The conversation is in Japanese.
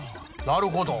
なるほど！